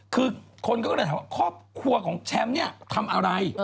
คือคนก็เลยถามว่าครอบครัวของแชมป์เนี่ยทำอะไร